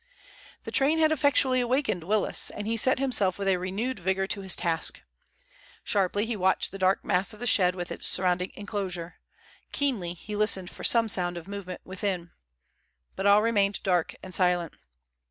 The train had effectually wakened Willis, and he set himself with a renewed vigor to this task. Sharply he watched the dark mass of the shed with its surrounding enclosure, keenly he listened for some sound of movement within. But all remained dark and silent.